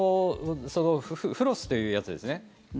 フロスというやつですね。